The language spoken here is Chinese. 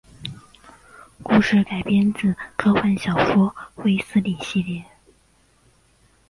故事改编自科幻小说卫斯理系列。